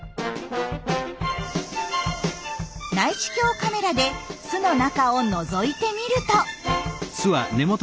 内視鏡カメラで巣の中をのぞいてみると。